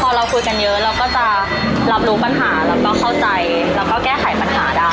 พอเราคุยกันเยอะเราก็จะรับรู้ปัญหาแล้วก็เข้าใจแล้วก็แก้ไขปัญหาได้